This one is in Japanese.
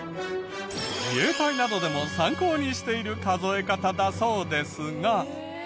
自衛隊などでも参考にしている数え方だそうですが。